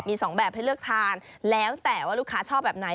มีสองแบบให้เลือกทานแล้วแต่ว่าลูกค้าชอบแบบไหน